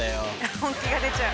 本気が出ちゃう。